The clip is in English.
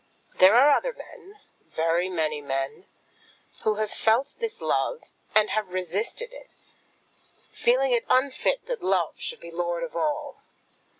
And there are other men, very many men, who have felt this love, and have resisted it, feeling it to be unfit that Love should be Lord of all.